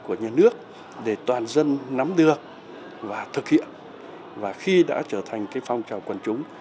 của nhà nước để toàn dân nắm được và thực hiện và khi đã trở thành phong trào quần chúng